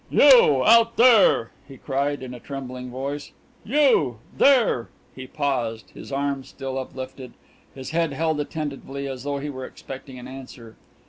"You out there !" he cried in a trembling voice. "You there !" He paused, his arms still uplifted, his head held attentively as though he were expecting an answer.